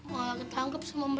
eh selamat malam bu